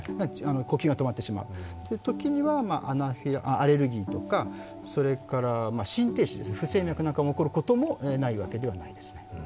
呼吸が止まってしまう時にはアレルギーとかそれから心停止、不整脈なんかも起こることもないわけではないですね。